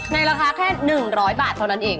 ราคาแค่๑๐๐บาทเท่านั้นเอง